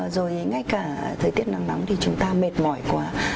rồi ngay cả thời tiết nắng nóng thì chúng ta mệt mỏi quá